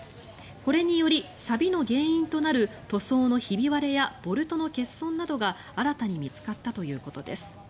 これにより、さびの原因となる塗装のひび割れやボルトの欠損などが新たに見つかったということです。